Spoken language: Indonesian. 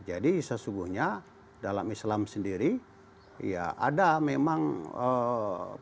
jadi sesungguhnya dalam islam sendiri ya ada memang pengecualian pengecualian